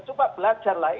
coba belajar lah